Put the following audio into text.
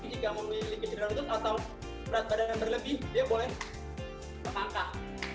jika memiliki jerawat atau berat badan berlebih dia boleh ke pangkah